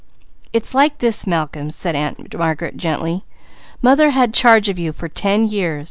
"It's like this Malcolm," said Aunt Margaret gently. "Mother had charge of you for ten years.